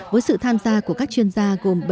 với sự tham gia của các chuyên gia gồm